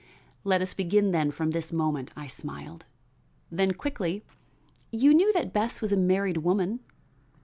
"Let us begin then from this moment," I smiled; then quickly: "You knew that Bess was a married woman."